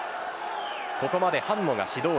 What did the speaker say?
ここまでハンモが指導